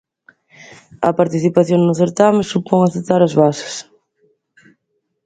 A participación no certame supón aceptar as bases.